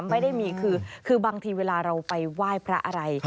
ไม่ได้มีคือบางทีเวลาเราไปไหว้พระอะไร